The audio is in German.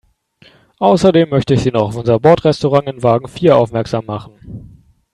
Außerdem möchte ich Sie noch auf unser Bordrestaurant in Wagen vier aufmerksam machen.